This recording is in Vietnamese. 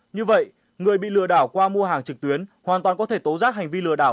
như vậy người bị lừa đảo qua mua hàng trực tuyến hoàn toàn có thể tố giác hành vi lừa đảo